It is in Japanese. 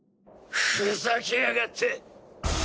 ふざけやがって！